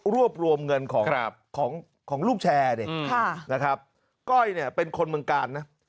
รวบรวมเงินของครับของของลูกน่ะครับเก้าเป็นคนเมืองการนะ